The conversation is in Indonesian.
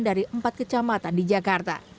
dari empat kecamatan di jakarta